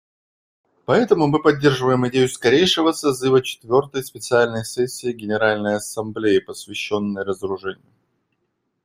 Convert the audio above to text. Поэтому мы поддерживаем идею скорейшего созыва четвертой специальной сессии Генеральной Ассамблеи, посвященной разоружению.